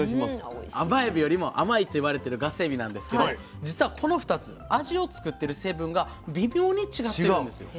甘エビよりも甘いといわれてるガスエビなんですけど実はこの２つ味を作ってる成分が微妙に違ってるんですよ。